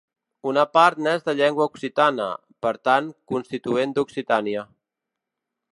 Una part n'és de llengua occitana, per tant constituent d'Occitània.